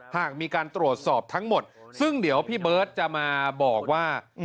หากมีการตรวจสอบทั้งหมดซึ่งเดี๋ยวพี่เบิร์ตจะมาบอกว่า